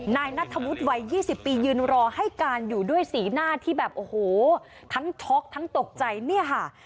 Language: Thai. นายนัทธวุฒิวัย๒๐ปียืนรอให้การอยู่ด้วยสีหน้าที่แบบโอ้โหทั้งช็อกทั้งตกใจเนี่ยค่ะ